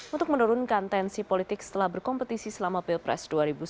untuk menurunkan tensi politik setelah berkompetisi selama pilpres dua ribu sembilan belas